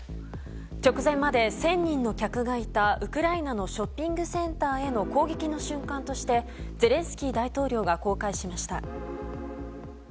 直前まで１０００人の客がいたウクライナのショッピングセンターへの攻撃の瞬間としてゼレンスキー大統領が公開しました。